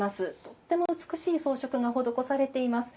とても美しい装飾が施されています。